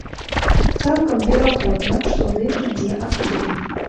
Цалкам верагодна, што дым ідзе адтуль.